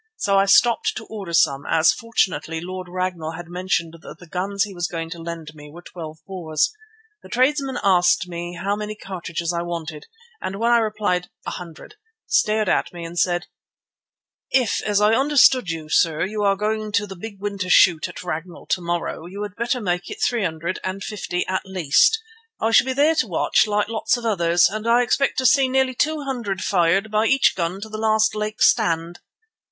So I stopped to order some, as, fortunately, Lord Ragnall had mentioned that the guns he was going to lend me were twelve bores. The tradesman asked me how many cartridges I wanted, and when I replied "a hundred," stared at me and said: "If, as I understood, sir, you are going to the big winter shoot at Ragnall to morrow, you had better make it three hundred and fifty at least. I shall be there to watch, like lots of others, and I expect to see nearly two hundred fired by each gun at the last Lake stand."